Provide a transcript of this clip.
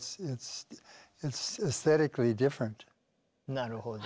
なるほど。